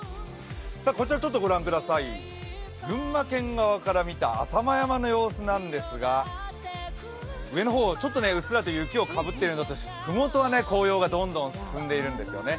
こちら、群馬県側から見た浅間山の様子なんですが上の方、ちょっと、うっすらと雪をかぶっているんですが、麓は紅葉がどんどん進んでいるんですよね。